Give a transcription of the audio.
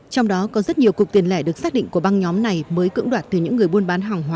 trong đó có rất nhiều cục tiền lẻ được xác định của băng nhóm này mới cưỡng đoạt từ những người buôn bán hàng hóa